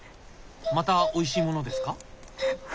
またおいしいものですか？